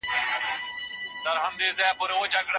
تاسو باید په ورځ کې یو ځل مېوه وخورئ.